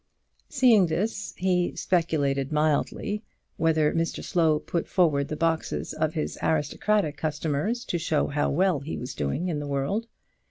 Seeing this, he speculated mildly whether Mr Slow put forward the boxes of his aristocratic customers to show how well he was doing in the world.